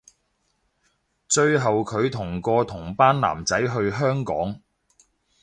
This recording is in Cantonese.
最後距同個同班男仔去香港